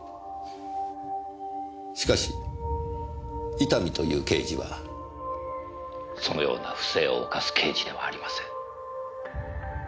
しかし伊丹という刑事はそのような不正を犯す刑事ではありません。